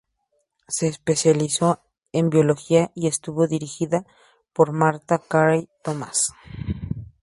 Se especializó en biología y estuvo dirigida por Martha Carey Thomas.